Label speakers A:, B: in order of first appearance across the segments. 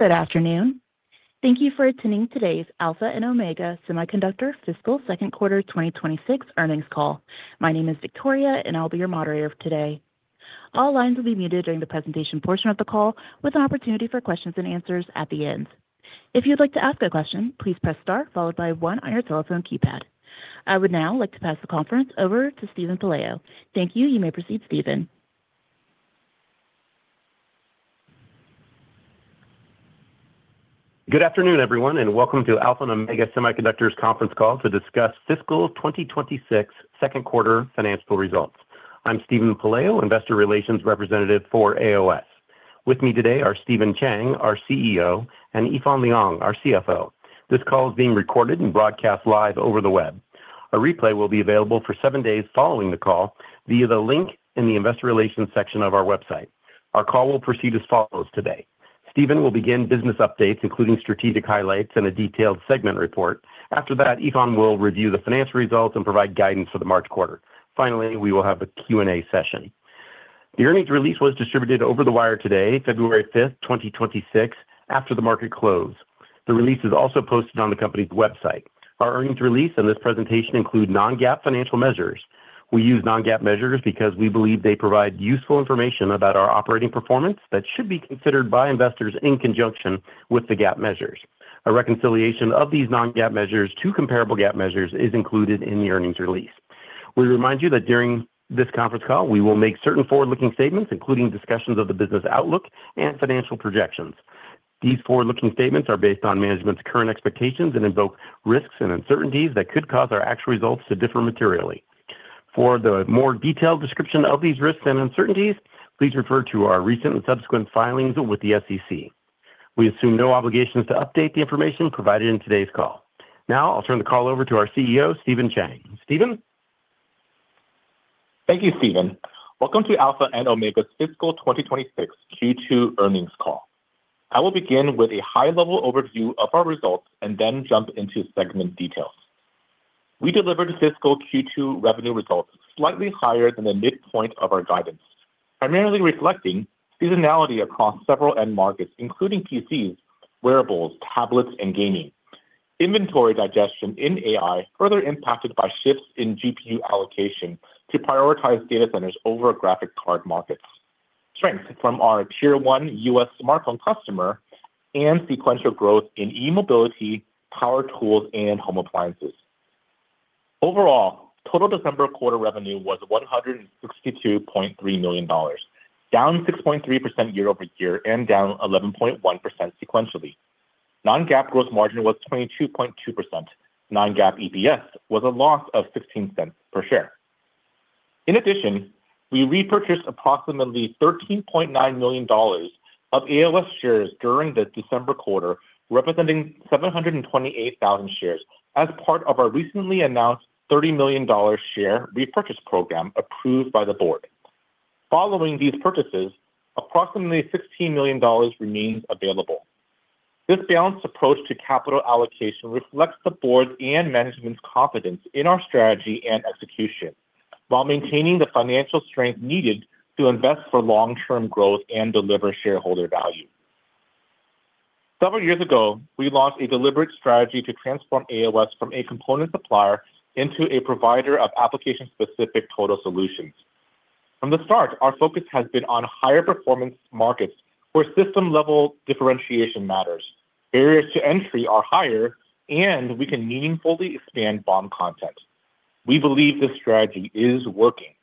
A: Good afternoon. Thank you for attending today's Alpha and Omega Semiconductor fiscal second quarter 2026 earnings call. My name is Victoria, and I'll be your moderator today. All lines will be muted during the presentation portion of the call, with an opportunity for questions and answers at the end. If you would like to ask a question, please press star followed by one on your telephone keypad. I would now like to pass the conference over to Stephen Pelayo. Thank you. You may proceed, Stephen.
B: Good afternoon, everyone, and welcome to Alpha and Omega Semiconductor's conference call to discuss fiscal 2026 second quarter financial results. I'm Stephen Pelayo, Investor Relations Representative for AOS. With me today are Stephen Chang, our CEO, and Yifan Liang, our CFO. This call is being recorded and broadcast live over the web. A replay will be available for seven days following the call via the link in the Investor Relations section of our website. Our call will proceed as follows today. Stephen will begin business updates, including strategic highlights and a detailed segment report. After that, Yifan will review the financial results and provide guidance for the March quarter. Finally, we will have a Q&A session. The earnings release was distributed over the wire today, February 5, 2026, after the market closed. The release is also posted on the company's website. Our earnings release and this presentation include non-GAAP financial measures. We use non-GAAP measures because we believe they provide useful information about our operating performance that should be considered by investors in conjunction with the GAAP measures. A reconciliation of these non-GAAP measures to comparable GAAP measures is included in the earnings release. We remind you that during this conference call, we will make certain forward-looking statements, including discussions of the business outlook and financial projections. These forward-looking statements are based on management's current expectations and invoke risks and uncertainties that could cause our actual results to differ materially. For the more detailed description of these risks and uncertainties, please refer to our recent and subsequent filings with the SEC. We assume no obligations to update the information provided in today's call. Now I'll turn the call over to our CEO, Stephen Chang. Stephen?
C: Thank you, Stephen. Welcome to Alpha and Omega's fiscal 2026 Q2 earnings call. I will begin with a high-level overview of our results and then jump into segment details. We delivered fiscal Q2 revenue results slightly higher than the midpoint of our guidance, primarily reflecting seasonality across several end markets, including PCs, wearables, tablets, and gaming. Inventory digestion in AI further impacted by shifts in GPU allocation to prioritize data centers over graphics card markets. Strengths from our Tier 1 US smartphone customer and sequential growth in e-mobility, power tools, and home appliances. Overall, total December quarter revenue was $162.3 million, down 6.3% year-over-year and down 11.1% sequentially. Non-GAAP gross margin was 22.2%. Non-GAAP EPS was a loss of $0.16 per share. In addition, we repurchased approximately $13.9 million of AOS shares during the December quarter, representing 728,000 shares as part of our recently announced $30 million share repurchase program approved by the board. Following these purchases, approximately $16 million remains available. This balanced approach to capital allocation reflects the board's and management's confidence in our strategy and execution while maintaining the financial strength needed to invest for long-term growth and deliver shareholder value. Several years ago, we launched a deliberate strategy to transform AOS from a component supplier into a provider of application-specific total solutions. From the start, our focus has been on higher performance markets where system-level differentiation matters, barriers to entry are higher, and we can meaningfully expand BOM content. We believe this strategy is working.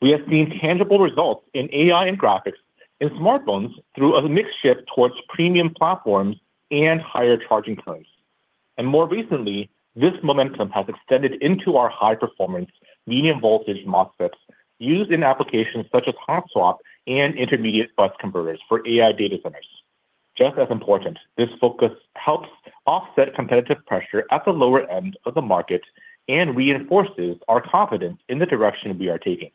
C: We have seen tangible results in AI and graphics in smartphones through a mix shift towards premium platforms and higher charging currents. And more recently, this momentum has extended into our high-performance, medium-voltage MOSFETs used in applications such as hot-swap and intermediate bus converters for AI data centers. Just as important, this focus helps offset competitive pressure at the lower end of the market and reinforces our confidence in the direction we are taking.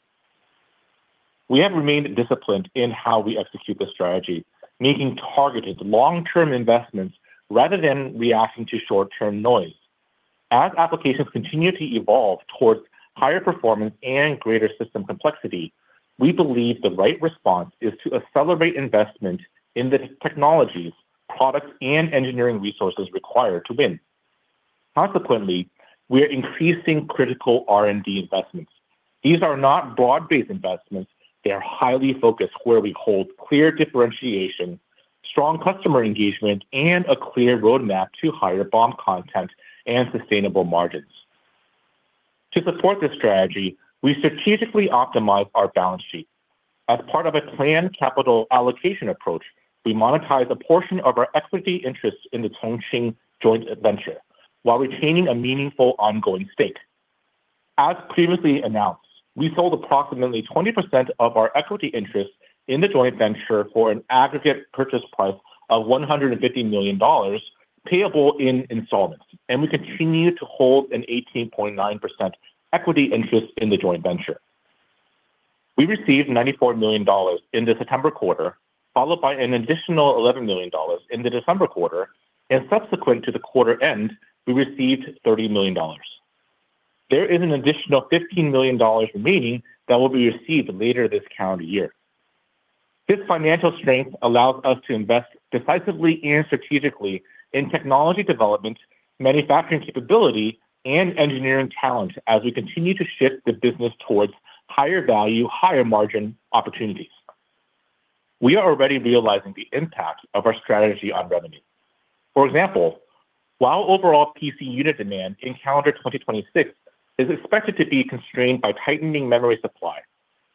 C: We have remained disciplined in how we execute the strategy, making targeted long-term investments rather than reacting to short-term noise. As applications continue to evolve towards higher performance and greater system complexity, we believe the right response is to accelerate investment in the technologies, products, and engineering resources required to win. Consequently, we are increasing critical R&D investments. These are not broad-based investments. They are highly focused where we hold clear differentiation, strong customer engagement, and a clear roadmap to higher BOM content and sustainable margins. To support this strategy, we strategically optimize our balance sheet. As part of a planned capital allocation approach, we monetize a portion of our equity interests in the Chongqing joint venture while retaining a meaningful ongoing stake. As previously announced, we sold approximately 20% of our equity interests in the joint venture for an aggregate purchase price of $150 million payable in installments, and we continue to hold an 18.9% equity interest in the joint venture. We received $94 million in the September quarter, followed by an additional $11 million in the December quarter. Subsequent to the quarter end, we received $30 million. There is an additional $15 million remaining that will be received later this calendar year. This financial strength allows us to invest decisively and strategically in technology development, manufacturing capability, and engineering talent as we continue to shift the business towards higher value, higher margin opportunities. We are already realizing the impact of our strategy on revenue. For example, while overall PC unit demand in calendar 2026 is expected to be constrained by tightening memory supply,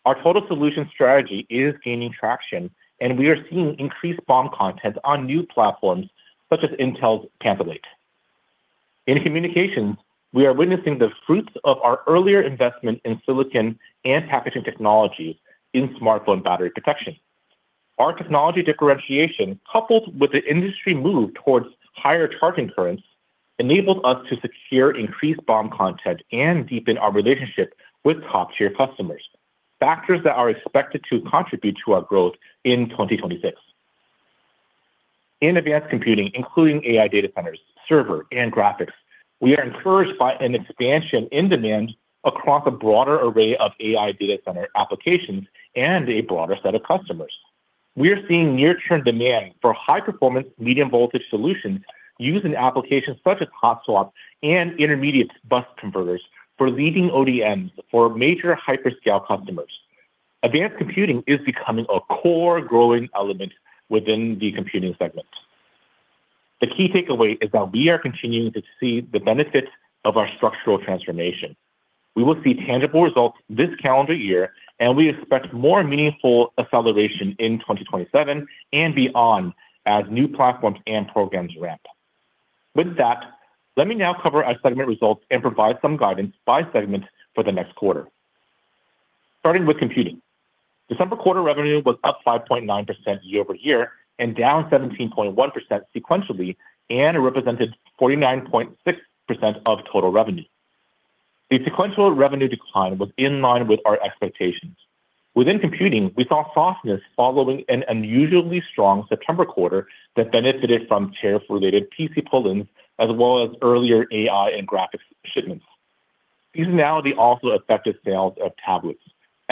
C: our total solution strategy is gaining traction, and we are seeing increased BOM content on new platforms such as Intel's Panther Lake. In communications, we are witnessing the fruits of our earlier investment in silicon and packaging technologies in smartphone battery protection. Our technology differentiation, coupled with the industry move towards higher charging currents, enabled us to secure increased BOM content and deepen our relationship with top-tier customers, factors that are expected to contribute to our growth in 2026. In advanced computing, including AI data centers, server, and graphics, we are encouraged by an expansion in demand across a broader array of AI data center applications and a broader set of customers. We are seeing near-term demand for high-performance, medium-voltage solutions used in applications such as hot-swap and intermediate bus converters for leading ODMs for major hyperscale customers. Advanced computing is becoming a core growing element within the computing segment. The key takeaway is that we are continuing to see the benefits of our structural transformation. We will see tangible results this calendar year, and we expect more meaningful acceleration in 2027 and beyond as new platforms and programs ramp. With that, let me now cover our segment results and provide some guidance by segment for the next quarter. Starting with computing, December quarter revenue was up 5.9% year-over-year and down 17.1% sequentially and represented 49.6% of total revenue. The sequential revenue decline was in line with our expectations. Within computing, we saw softness following an unusually strong September quarter that benefited from tariff-related PC pull-ins as well as earlier AI and graphics shipments. Seasonality also affected sales of tablets.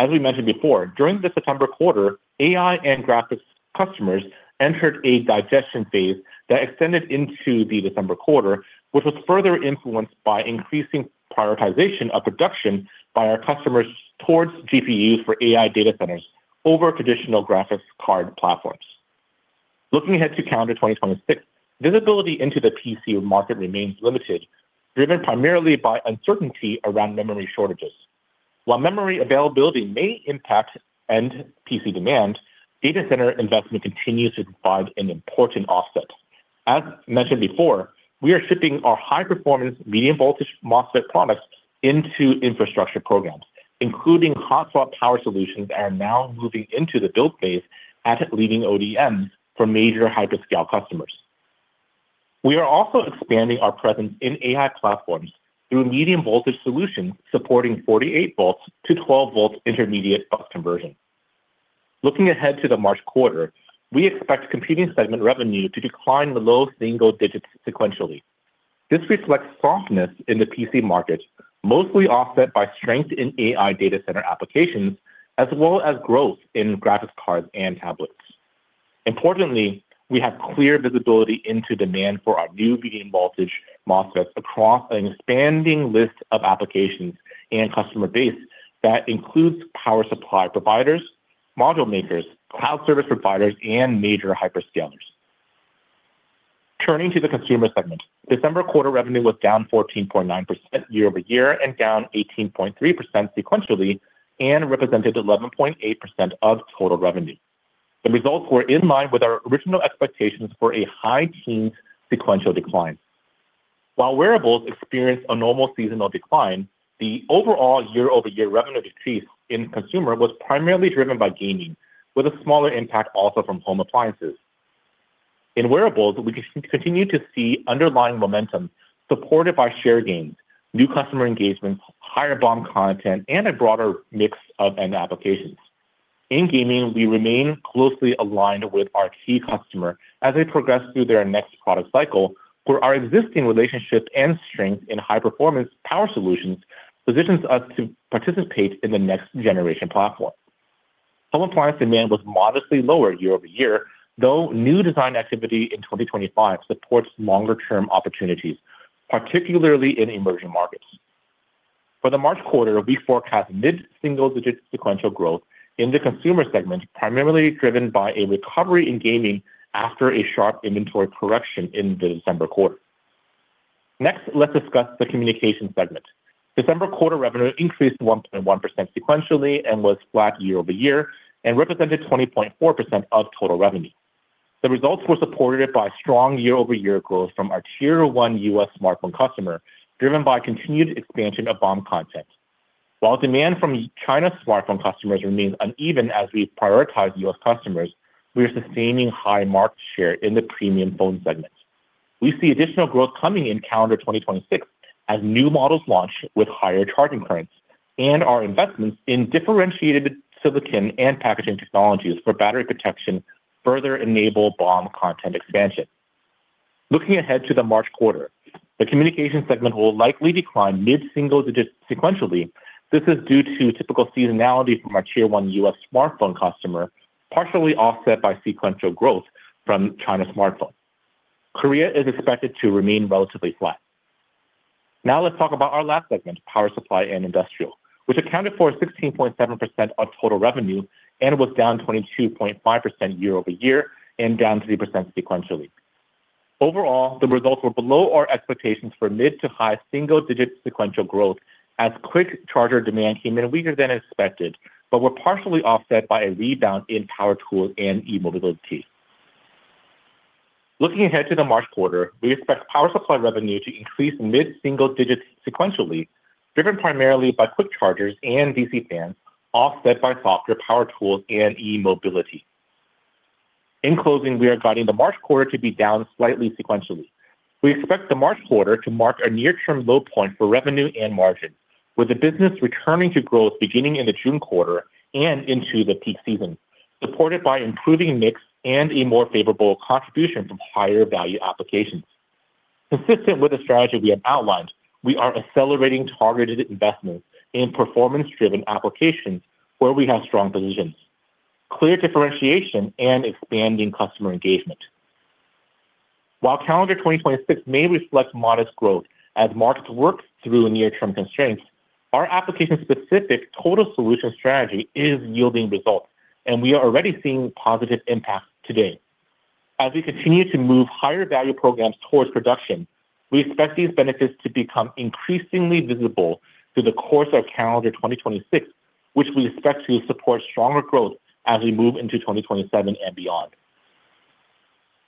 C: As we mentioned before, during the September quarter, AI and graphics customers entered a digestion phase that extended into the December quarter, which was further influenced by increasing prioritization of production by our customers towards GPUs for AI data centers over traditional graphics card platforms. Looking ahead to calendar 2026, visibility into the PC market remains limited, driven primarily by uncertainty around memory shortages. While memory availability may impact end PC demand, data center investment continues to provide an important offset. As mentioned before, we are shipping our high-performance, medium-voltage MOSFET products into infrastructure programs, including Hot-swap power solutions that are now moving into the build phase at leading ODMs for major hyperscale customers. We are also expanding our presence in AI platforms through medium-voltage solutions supporting 48 volts to 12 volts intermediate bus conversion. Looking ahead to the March quarter, we expect computing segment revenue to decline the low single digits sequentially. This reflects softness in the PC market, mostly offset by strength in AI data center applications as well as growth in graphics cards and tablets. Importantly, we have clear visibility into demand for our new medium-voltage MOSFETs across an expanding list of applications and customer base that includes power supply providers, module makers, cloud service providers, and major hyperscalers. Turning to the consumer segment, December quarter revenue was down 14.9% year-over-year and down 18.3% sequentially and represented 11.8% of total revenue. The results were in line with our original expectations for a high-teens sequential decline. While wearables experienced a normal seasonal decline, the overall year-over-year revenue decrease in consumer was primarily driven by gaming, with a smaller impact also from home appliances. In wearables, we continue to see underlying momentum supported by share gains, new customer engagements, higher BOM content, and a broader mix of end applications. In gaming, we remain closely aligned with our key customer as they progress through their next product cycle, where our existing relationship and strength in high-performance power solutions positions us to participate in the next generation platform. Home appliance demand was modestly lower year-over-year, though new design activity in 2025 supports longer-term opportunities, particularly in emerging markets. For the March quarter, we forecast mid-single digit sequential growth in the consumer segment, primarily driven by a recovery in gaming after a sharp inventory correction in the December quarter. Next, let's discuss the communication segment. December quarter revenue increased 1.1% sequentially and was flat year-over-year and represented 20.4% of total revenue. The results were supported by strong year-over-year growth from our Tier 1 US smartphone customer, driven by continued expansion of BOM content. While demand from China smartphone customers remains uneven as we prioritize US customers, we are sustaining high market share in the premium phone segment. We see additional growth coming in calendar 2026 as new models launch with higher charging currents and our investments in differentiated silicon and packaging technologies for battery protection further enable BOM content expansion. Looking ahead to the March quarter, the communication segment will likely decline mid-single digits sequentially. This is due to typical seasonality from our Tier 1 US smartphone customer, partially offset by sequential growth from China smartphone. Korea is expected to remain relatively flat. Now let's talk about our last segment, power supply and industrial, which accounted for 16.7% of total revenue and was down 22.5% year-over-year and down 3% sequentially. Overall, the results were below our expectations for mid to high single digit sequential growth as quick charger demand came in weaker than expected but were partially offset by a rebound in power tools and e-mobility. Looking ahead to the March quarter, we expect power supply revenue to increase mid-single digits sequentially, driven primarily by quick chargers and DC fans, offset by softer power tools and e-mobility. In closing, we are guiding the March quarter to be down slightly sequentially. We expect the March quarter to mark a near-term low point for revenue and margin, with the business returning to growth beginning in the June quarter and into the peak season, supported by improving mix and a more favorable contribution from higher value applications. Consistent with the strategy we have outlined, we are accelerating targeted investments in performance-driven applications where we have strong positions, clear differentiation, and expanding customer engagement. While calendar 2026 may reflect modest growth as markets work through near-term constraints, our application-specific total solution strategy is yielding results, and we are already seeing positive impacts today. As we continue to move higher value programs towards production, we expect these benefits to become increasingly visible through the course of calendar 2026, which we expect to support stronger growth as we move into 2027 and beyond.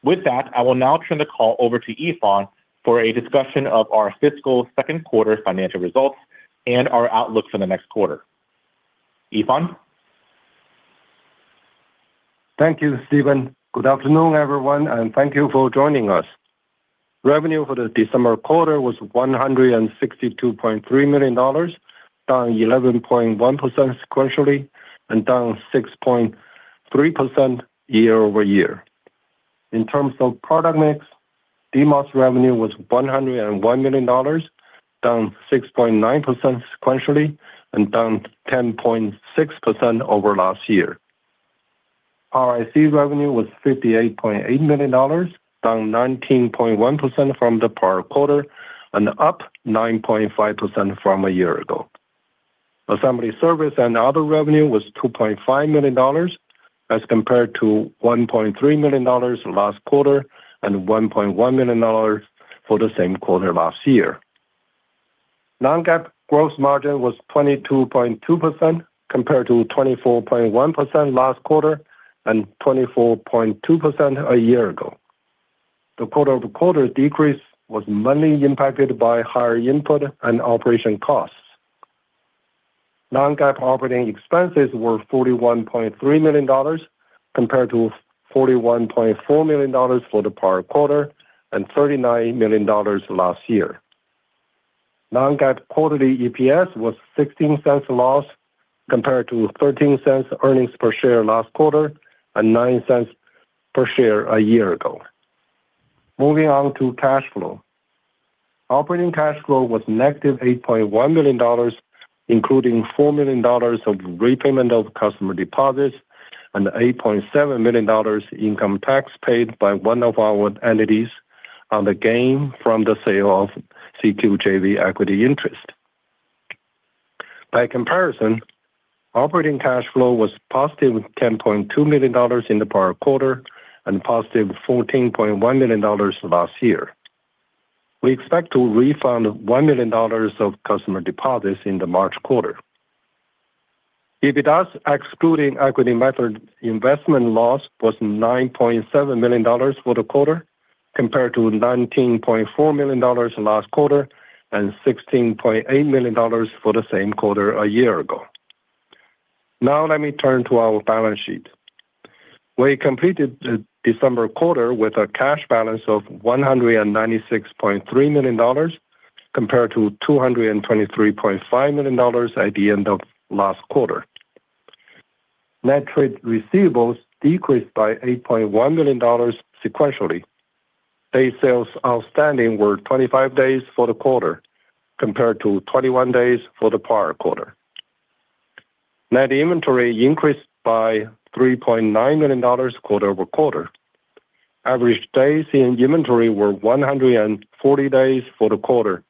C: With that, I will now turn the call over to Yifan for a discussion of our fiscal second quarter financial results and our outlook for the next quarter. Yifan?
D: Thank you, Stephen. Good afternoon, everyone, and thank you for joining us. Revenue for the December quarter was $162.3 million, down 11.1% sequentially, and down 6.3% year-over-year. In terms of product mix, DMOS revenue was $101 million, down 6.9% sequentially, and down 10.6% over last year. RIC revenue was $58.8 million, down 19.1% from the prior quarter and up 9.5% from a year ago. Assembly service and other revenue was $2.5 million as compared to $1.3 million last quarter and $1.1 million for the same quarter last year. Non-GAAP gross margin was 22.2% compared to 24.1% last quarter and 24.2% a year ago. The quarter-over-quarter decrease was mainly impacted by higher input and operation costs. Non-GAAP operating expenses were $41.3 million compared to $41.4 million for the prior quarter and $39 million last year. Non-GAAP quarterly EPS was $0.16 loss compared to $0.13 earnings per share last quarter and $0.09 per share a year ago. Moving on to cash flow, operating cash flow was negative $8.1 million, including $4 million of repayment of customer deposits and $8.7 million income tax paid by one of our entities on the gain from the sale of CQJV equity interest. By comparison, operating cash flow was positive $10.2 million in the prior quarter and positive $14.1 million last year. We expect to refund $1 million of customer deposits in the March quarter. EBITDA excluding equity method investment loss was $9.7 million for the quarter compared to $19.4 million last quarter and $16.8 million for the same quarter a year ago. Now let me turn to our balance sheet. We completed the December quarter with a cash balance of $196.3 million compared to $223.5 million at the end of last quarter. Net trade receivables decreased by $8.1 million sequentially. Days Sales Outstanding were 25 days for the quarter compared to 21 days for the prior quarter. Net inventory increased by $3.9 million quarter-over-quarter. Average days in inventory were 140 days for the quarter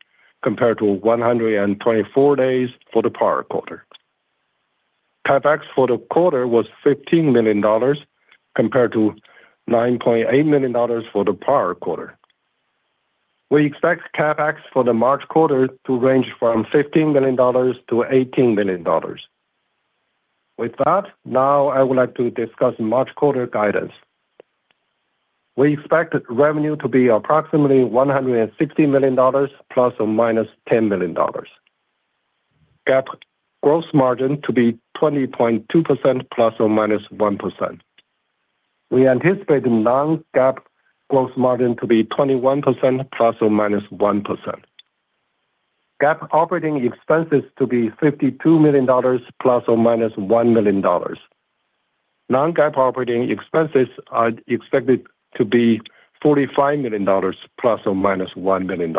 D: compared to 124 days for the prior quarter. CapEx for the quarter was $15 million compared to $9.8 million for the prior quarter. We expect CapEx for the March quarter to range from $15 million-$18 million. With that, now I would like to discuss March quarter guidance. We expect revenue to be approximately $160 million ± $10 million, GAAP gross margin to be 20.2% ± 1%. We anticipate non-GAAP gross margin to be 21% ± 1%. GAAP operating expenses to be $52 million ± $1 million. Non-GAAP operating expenses are expected to be $45 million ± $1 million.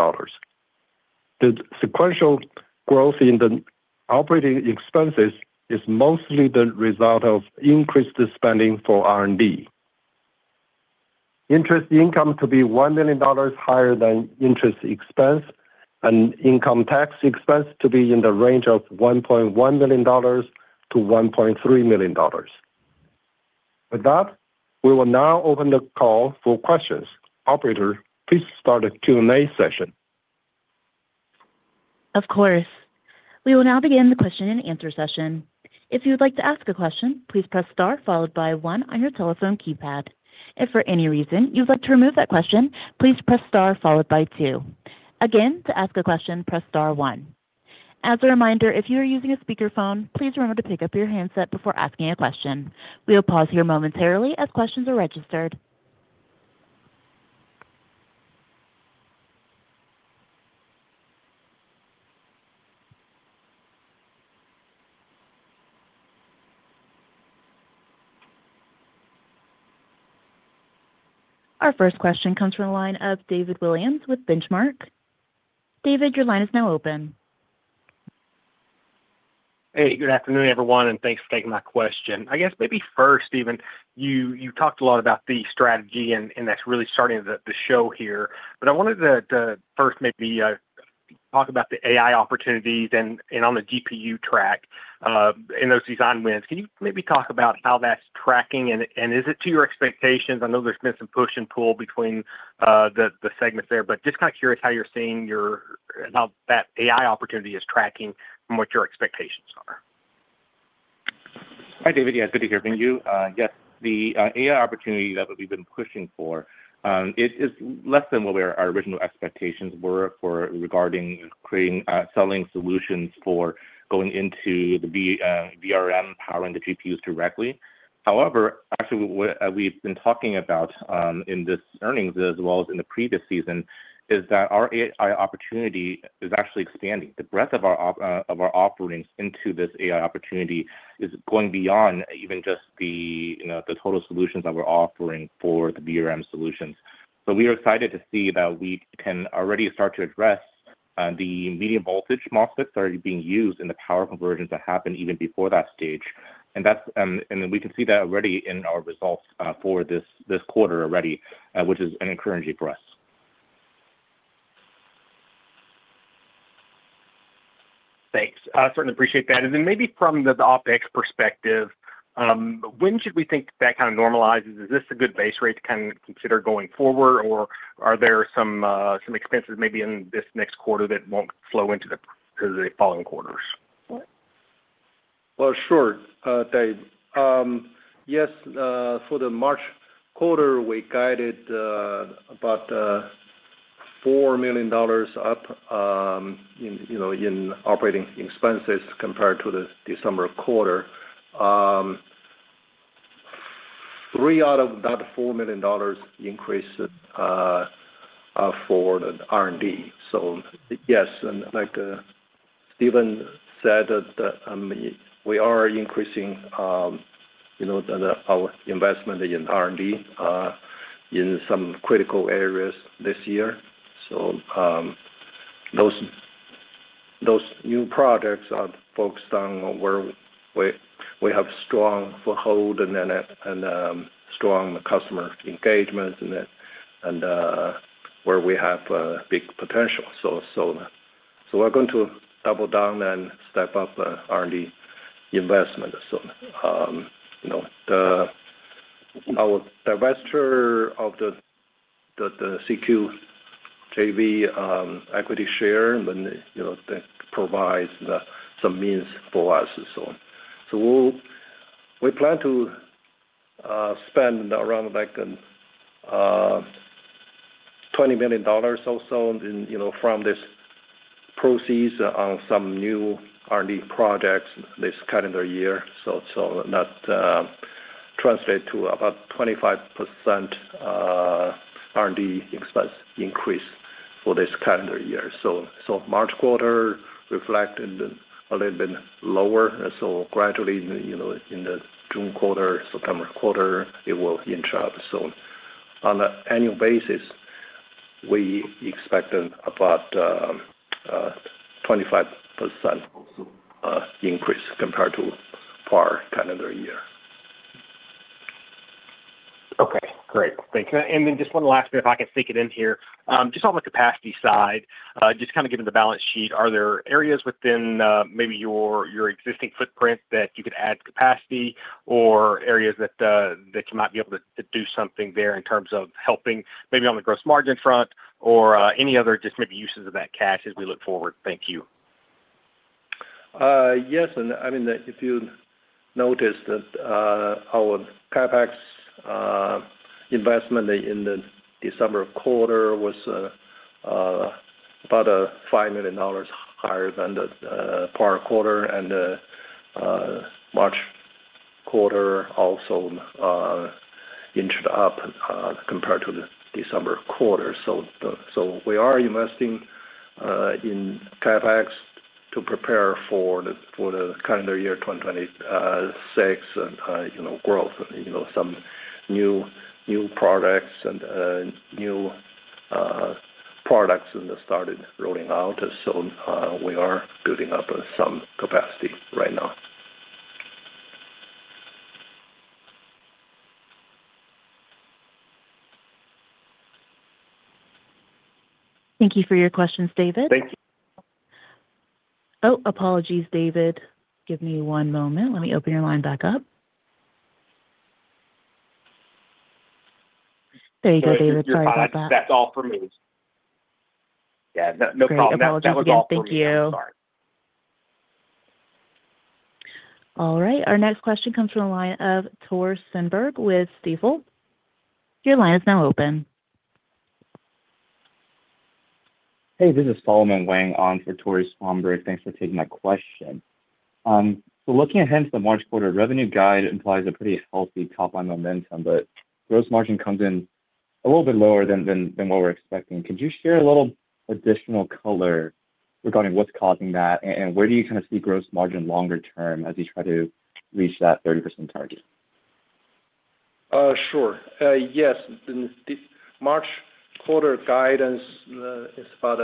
D: The sequential growth in the operating expenses is mostly the result of increased spending for R&D. Interest income to be $1 million higher than interest expense, and income tax expense to be in the range of $1.1 million-$1.3 million. With that, we will now open the call for questions. Operator, please start the Q&A session.
A: Of course. We will now begin the question and answer session. If you would like to ask a question, please press star followed by one on your telephone keypad. If for any reason you would like to remove that question, please press star followed by two. Again, to ask a question, press star one. As a reminder, if you are using a speakerphone, please remember to pick up your handset before asking a question. We will pause here momentarily as questions are registered. Our first question comes from the line of David Williams with Benchmark. David, your line is now open.
E: Hey, good afternoon, everyone, and thanks for taking my question. I guess maybe first, Stephen, you talked a lot about the strategy and that's really starting the show here, but I wanted to first maybe talk about the AI opportunities and on the GPU track and those design wins. Can you maybe talk about how that's tracking, and is it to your expectations? I know there's been some push and pull between the segments there, but just kind of curious how you're seeing how that AI opportunity is tracking from what your expectations are.
C: Hi, David. Yeah, good to hear from you. Yes, the AI opportunity that we've been pushing for, it is less than what our original expectations were regarding selling solutions for going into the VRM powering the GPUs directly. However, actually, what we've been talking about in this earnings as well as in the previous season is that our AI opportunity is actually expanding. The breadth of our offerings into this AI opportunity is going beyond even just the total solutions that we're offering for the VRM solutions. So we are excited to see that we can already start to address the medium-voltage MOSFETs that are being used in the power conversions that happen even before that stage. And we can see that already in our results for this quarter already, which is encouraging for us.
E: Thanks. Certainly appreciate that. And then maybe from the OpEx perspective, when should we think that kind of normalizes? Is this a good base rate to kind of consider going forward, or are there some expenses maybe in this next quarter that won't flow into the following quarters?
D: Well, sure, Dave. Yes, for the March quarter, we guided about $4 million up in operating expenses compared to the December quarter. 3 out of that $4 million increased for the R&D. So yes, and like Stephen said, we are increasing our investment in R&D in some critical areas this year. So those new projects are focused on where we have strong foothold and strong customer engagement and where we have big potential. So we're going to double down and step up R&D investment. So our divestiture of the CQJV equity share, that provides some means for us. So we plan to spend around $20 million or so from this proceeds on some new R&D projects this calendar year. So that translates to about 25% R&D expense increase for this calendar year. So March quarter reflected a little bit lower, and so gradually in the June quarter, September quarter, it will inch up. So on an annual basis, we expect about 25% increase compared to prior calendar year.
E: Okay. Great. Thanks. And then just one last bit if I can sneak it in here. Just on the capacity side, just kind of given the balance sheet, are there areas within maybe your existing footprint that you could add capacity or areas that you might be able to do something there in terms of helping maybe on the gross margin front or any other just maybe uses of that cash as we look forward? Thank you.
D: Yes. I mean, if you noticed that our CapEx investment in the December quarter was about $5 million higher than the prior quarter, and the March quarter also inched up compared to the December quarter. We are investing in CapEx to prepare for the calendar year 2026 growth, some new products, and new products that started rolling out. We are building up some capacity right now.
A: Thank you for your questions, David.
E: Thank you.
A: Oh, apologies, David. Give me one moment. Let me open your line back up. There you go, David. Sorry about that.
E: That's all from me. Yeah, no problem. That was all from me.
A: Great. Apologies. Thank you. All right. Our next question comes from the line of Tore Svanberg with Stifel. Your line is now open.
F: Hey, this is Solomon Wang on for Tore Svanberg. Thanks for taking my question. Looking ahead to the March quarter, revenue guide implies a pretty healthy top-line momentum, but gross margin comes in a little bit lower than what we're expecting. Could you share a little additional color regarding what's causing that, and where do you kind of see gross margin longer term as you try to reach that 30% target?
D: Sure. Yes. March quarter guidance is about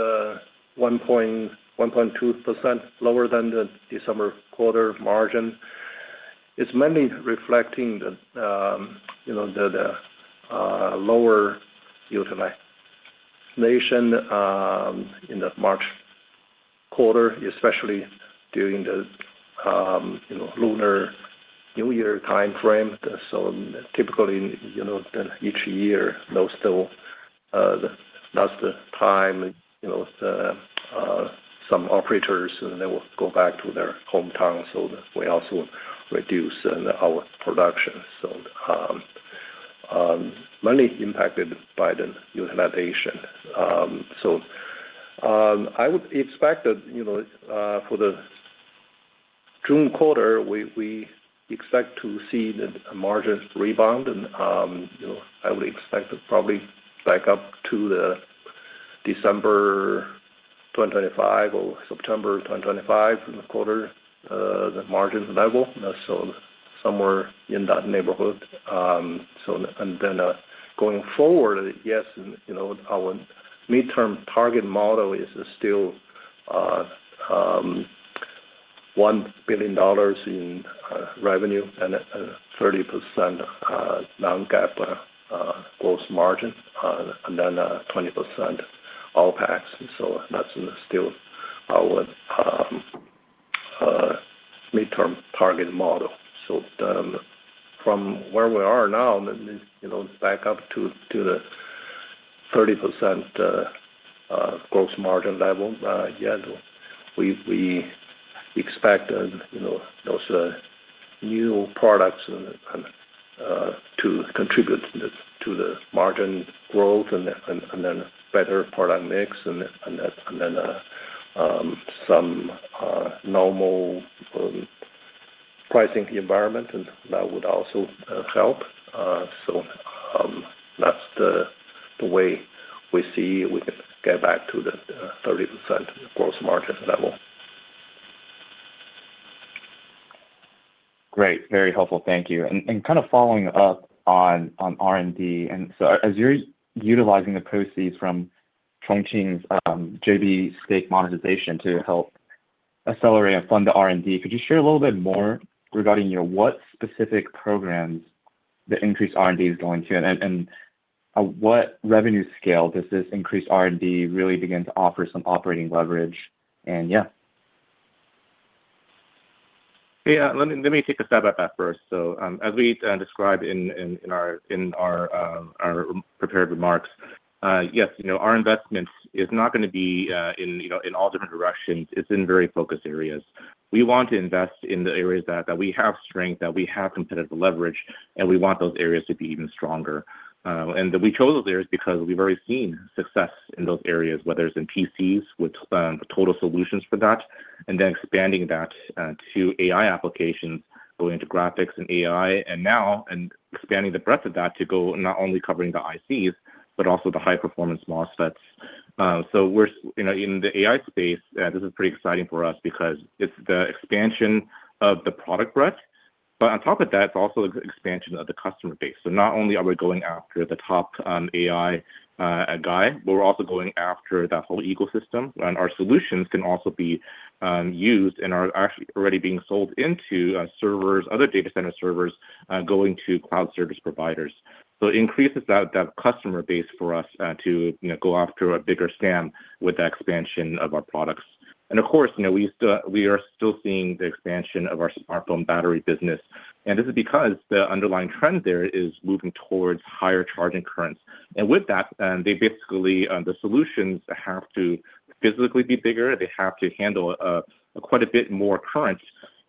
D: 1.2% lower than the December quarter margin. It's mainly reflecting the lower utilization in the March quarter, especially during the Lunar New Year time frame. So typically, each year, that's the time some operators, they will go back to their hometown, so we also reduce our production. So mainly impacted by the utilization. So I would expect that for the June quarter, we expect to see the margins rebound. I would expect to probably back up to the December 2025 or September 2025 quarter margin level, so somewhere in that neighborhood. And then going forward, yes, our midterm target model is still $1 billion in revenue and 30% non-GAAP gross margin and then 20% OpEx. So that's still our midterm target model. So from where we are now, back up to the 30% gross margin level, yeah, we expect those new products to contribute to the margin growth and then better product mix and then some normal pricing environment, and that would also help. So that's the way we see we can get back to the 30% gross margin level.
F: Great. Very helpful. Thank you. And kind of following up on R&D, and so as you're utilizing the proceeds from Chongqing's JV stake monetization to help accelerate and fund the R&D, could you share a little bit more regarding what specific programs the increased R&D is going to, and at what revenue scale does this increased R&D really begin to offer some operating leverage? And yeah.
C: Yeah. Let me take a step at that first. So as we described in our prepared remarks, yes, our investment is not going to be in all different directions. It's in very focused areas. We want to invest in the areas that we have strength, that we have competitive leverage, and we want those areas to be even stronger. And we chose those areas because we've already seen success in those areas, whether it's in PCs with total solutions for that and then expanding that to AI applications going into graphics and AI and now expanding the breadth of that to go not only covering the ICs, but also the high-performance MOSFETs. So in the AI space, this is pretty exciting for us because it's the expansion of the product breadth. But on top of that, it's also the expansion of the customer base. So not only are we going after the top AI GPU, but we're also going after that whole ecosystem. And our solutions can also be used and are actually already being sold into servers, other data center servers, going to cloud service providers. So it increases that customer base for us to go after a bigger gamut with that expansion of our products. And of course, we are still seeing the expansion of our smartphone battery business. And this is because the underlying trend there is moving towards higher charging currents. And with that, the solutions have to physically be bigger. They have to handle quite a bit more current.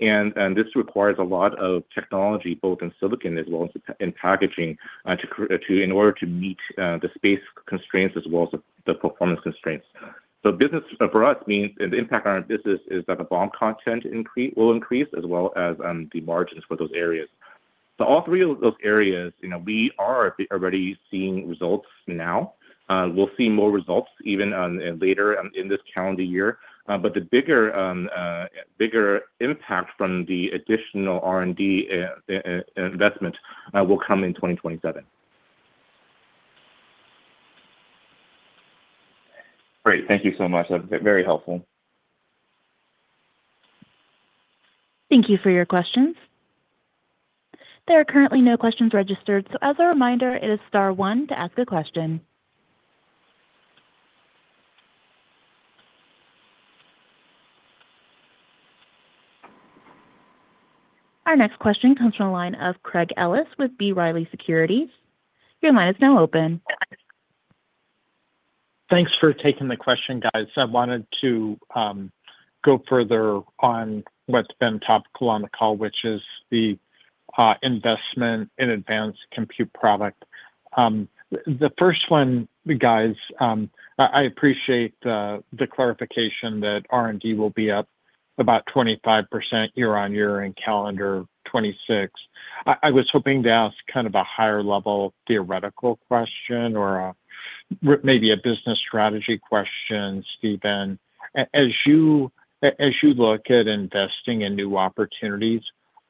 C: And this requires a lot of technology, both in silicon as well as in packaging, in order to meet the space constraints as well as the performance constraints. Business for us means the impact on our business is that the BOM content will increase as well as the margins for those areas. All three of those areas, we are already seeing results now. We'll see more results even later in this calendar year. But the bigger impact from the additional R&D investment will come in 2027.
F: Great. Thank you so much. Very helpful.
A: Thank you for your questions. There are currently no questions registered. As a reminder, it is star one to ask a question. Our next question comes from the line of Craig Ellis with B. Riley Securities. Your line is now open.
G: Thanks for taking the question, guys. I wanted to go further on what's been topical on the call, which is the investment in advanced compute product. The first one, guys, I appreciate the clarification that R&D will be up about 25% year-over-year in calendar 2026. I was hoping to ask kind of a higher-level theoretical question or maybe a business strategy question, Stephen. As you look at investing in new opportunities,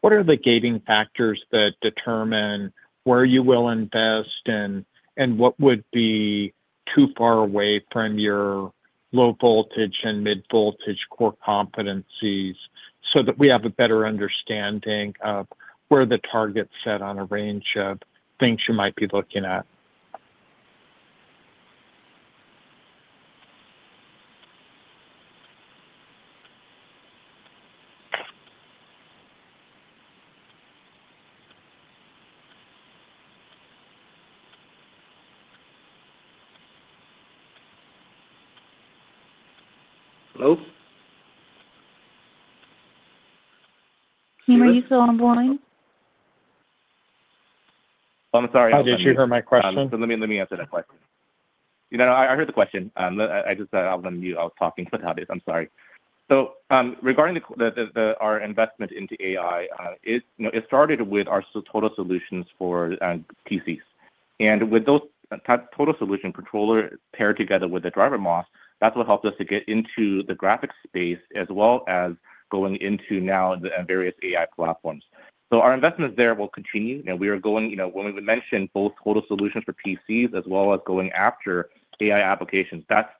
G: what are the gating factors that determine where you will invest and what would be too far away from your low voltage and mid voltage core competencies so that we have a better understanding of where the target's set on a range of things you might be looking at?
C: Hello?
A: Tim, are you still on the line?
G: Oh, I'm sorry. Oh, did you hear my question?
C: So let me answer that question. No, no, I heard the question. I just thought I was on mute. I was talking about how it is. I'm sorry. So regarding our investment into AI, it started with our total solutions for PCs. And with those total solution controller paired together with the Driver MOS, that's what helped us to get into the graphics space as well as going into now the various AI platforms. So our investments there will continue. We are going when we mentioned both total solutions for PCs as well as going after AI applications, that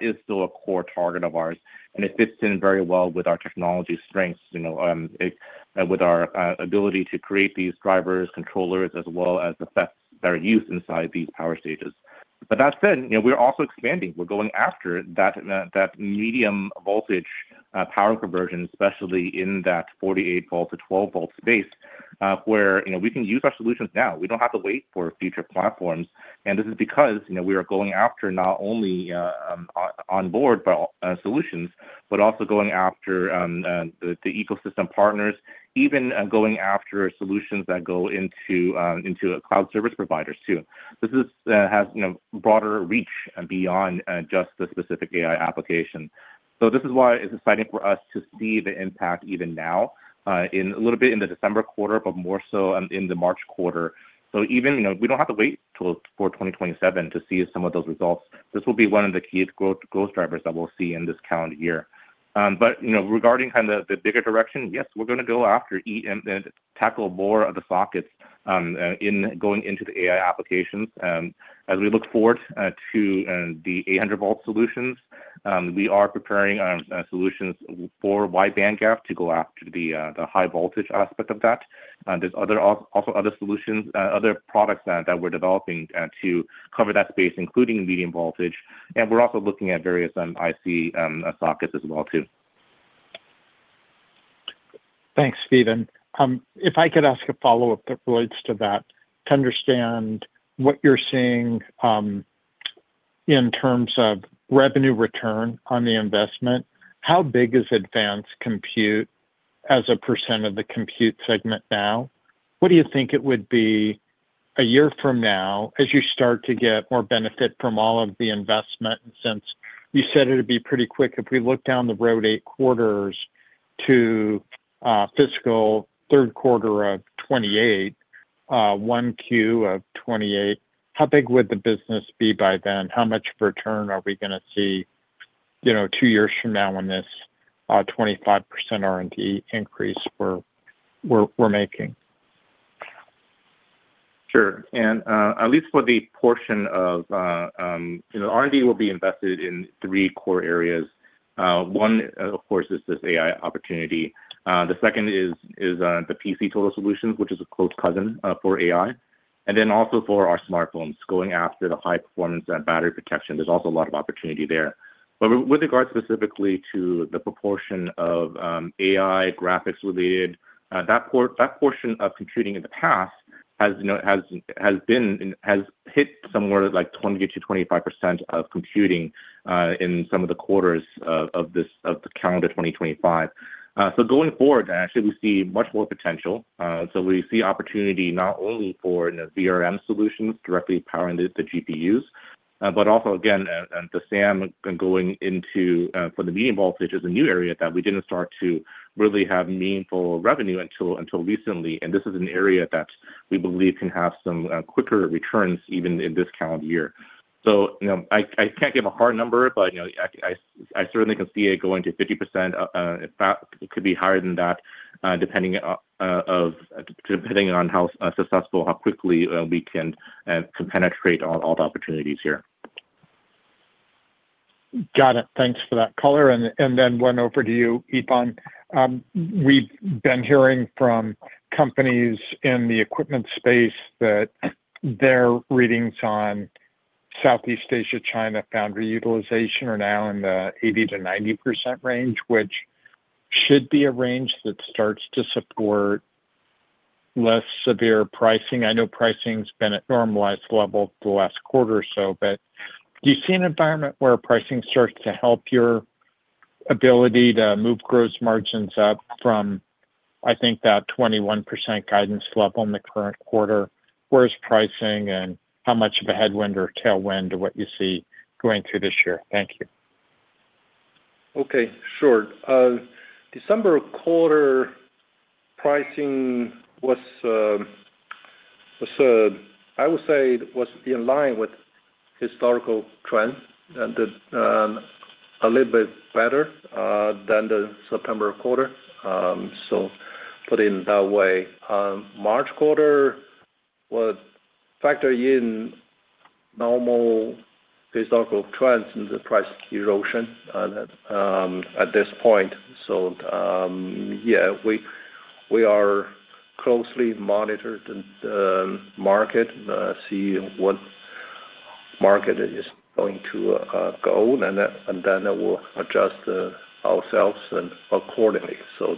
C: is still a core target of ours. And it fits in very well with our technology strengths, with our ability to create these drivers, controllers, as well as the best better use inside these power stages. But that said, we're also expanding. We're going after that medium voltage power conversion, especially in that 48-volt to 12-volt space where we can use our solutions now. We don't have to wait for future platforms. And this is because we are going after not only onboard solutions, but also going after the ecosystem partners, even going after solutions that go into cloud service providers too. This has broader reach beyond just the specific AI application. So this is why it's exciting for us to see the impact even now, a little bit in the December quarter, but more so in the March quarter. So even we don't have to wait till for 2027 to see some of those results. This will be one of the key growth drivers that we'll see in this calendar year. But regarding kind of the bigger direction, yes, we're going to go after and tackle more of the sockets going into the AI applications. As we look forward to the 800-volt solutions, we are preparing solutions for wide-bandgap to go after the high voltage aspect of that. There's also other solutions, other products that we're developing to cover that space, including medium voltage. And we're also looking at various IC sockets as well too.
G: Thanks, Stephen. If I could ask a follow-up that relates to that, to understand what you're seeing in terms of revenue return on the investment, how big is advanced compute as a percent of the compute segment now? What do you think it would be a year from now as you start to get more benefit from all of the investment? Since you said it would be pretty quick, if we look down the road 8 quarters to fiscal third quarter of 2028, 1Q of 2028, how big would the business be by then? How much return are we going to see two years from now when this 25% R&D increase we're making?
C: Sure. And at least for the portion of R&D, we'll be invested in three core areas. One, of course, is this AI opportunity. The second is the PC total solutions, which is a close cousin for AI. And then also for our smartphones, going after the high performance and battery protection, there's also a lot of opportunity there. But with regard specifically to the proportion of AI graphics-related, that portion of computing in the past has hit somewhere like 20%-25% of computing in some of the quarters of the calendar 2025. So going forward, actually, we see much more potential. So we see opportunity not only for VRM solutions directly powering the GPUs, but also, again, the SAM going into for the medium voltage is a new area that we didn't start to really have meaningful revenue until recently. And this is an area that we believe can have some quicker returns even in this calendar year. So I can't give a hard number, but I certainly can see it going to 50%. It could be higher than that depending on how successful, how quickly we can penetrate all the opportunities here.
G: Got it. Thanks for that color. And then over to you, Yifan. We've been hearing from companies in the equipment space that their readings on Southeast Asia-China foundry utilization are now in the 80%-90% range, which should be a range that starts to support less severe pricing. I know pricing's been at normalized level the last quarter or so, but do you see an environment where pricing starts to help your ability to move gross margins up from, I think, that 21% guidance level in the current quarter? Where's pricing and how much of a headwind or tailwind to what you see going through this year? Thank you.
D: Okay. Sure. December quarter pricing was, I would say, in line with historical trend, a little bit better than the September quarter. So, put it in that way. March quarter factored in normal historical trends in the price erosion at this point. So, yeah, we are closely monitored the market, see what market it is going to go, and then we'll adjust ourselves accordingly. So,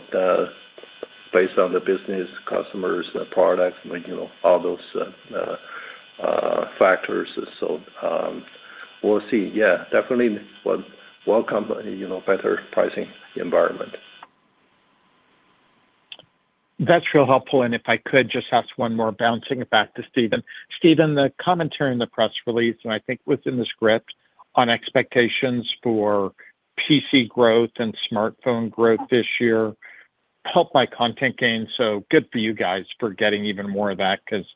D: based on the business, customers, products, all those factors. So, we'll see. Yeah, definitely a well-contained, better pricing environment.
G: That's real helpful. If I could just ask one more, bouncing back to Stephen. Stephen, the commentary in the press release, and I think it was in the script, on expectations for PC growth and smartphone growth this year helped my content gain. So good for you guys for getting even more of that because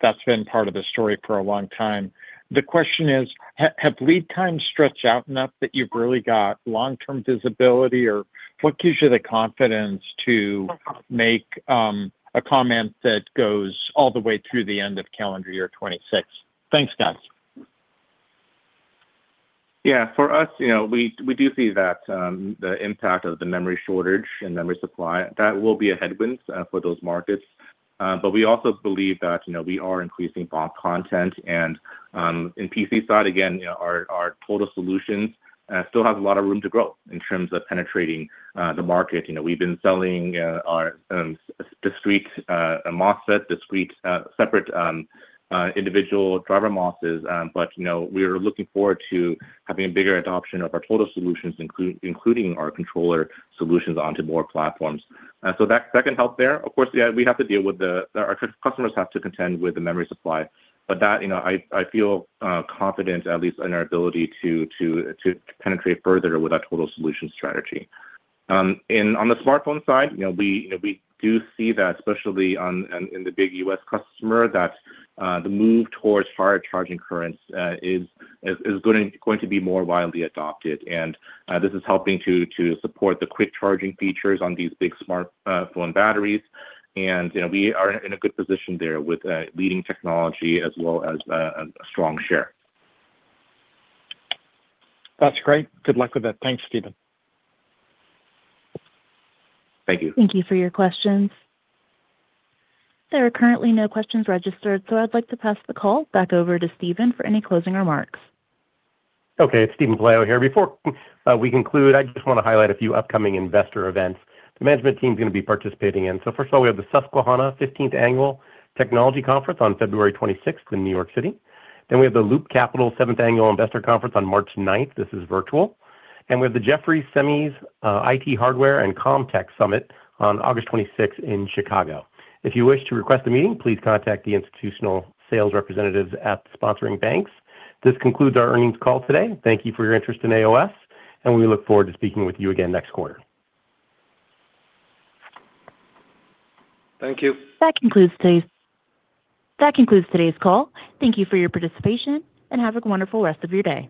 G: that's been part of the story for a long time. The question is, have lead times stretched out enough that you've really got long-term visibility, or what gives you the confidence to make a comment that goes all the way through the end of calendar year 2026? Thanks, guys.
C: Yeah. For us, we do see that the impact of the memory shortage and memory supply, that will be a headwind for those markets. But we also believe that we are increasing BOM content. And in PC side, again, our total solutions still have a lot of room to grow in terms of penetrating the market. We've been selling our discrete MOSFET, discrete separate individual driver MOSFETs. But we are looking forward to having a bigger adoption of our total solutions, including our controller solutions onto more platforms. So that can help there. Of course, yeah, we have to deal with the our customers have to contend with the memory supply. But I feel confident, at least in our ability to penetrate further with our total solution strategy. On the smartphone side, we do see that, especially in the big U.S. customer, that the move towards higher charging currents is going to be more widely adopted. This is helping to support the quick charging features on these big smartphone batteries. We are in a good position there with leading technology as well as a strong share.
G: That's great. Good luck with that. Thanks, Stephen.
C: Thank you.
A: Thank you for your questions. There are currently no questions registered, so I'd like to pass the call back over to Stephen for any closing remarks.
B: Okay. It's Stephen Pelayo here. Before we conclude, I just want to highlight a few upcoming investor events the management team is going to be participating in. So first of all, we have the Susquehanna 15th Annual Technology Conference on February 26th in New York City. Then we have the Loop Capital 7th Annual Investor Conference on March 9th. This is virtual. And we have the Jefferies Semis IT Hardware and Comtech Summit on August 26th in Chicago. If you wish to request a meeting, please contact the institutional sales representatives at sponsoring banks. This concludes our earnings call today. Thank you for your interest in AOS, and we look forward to speaking with you again next quarter.
D: Thank you.
A: That concludes today's call. Thank you for your participation, and have a wonderful rest of your day.